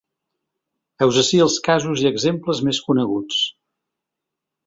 Heus ací els casos i exemples més coneguts.